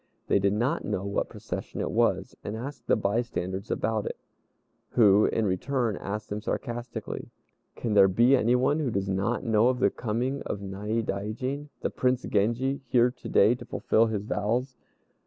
They did not know what procession it was, and asked the bystanders about it, who, in return, asked them sarcastically, "Can there be anyone who does not know of the coming of Naidaijin, the Prince Genji, here to day to fulfil his vows?"